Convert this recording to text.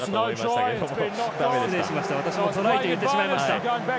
私もトライと言ってしまいました。